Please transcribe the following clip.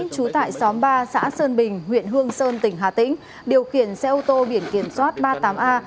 trú tại xóm ba xã sơn bình huyện hương sơn tỉnh hà tĩnh điều khiển xe ô tô biển kiểm soát ba mươi tám a một mươi năm nghìn chín trăm hai mươi bảy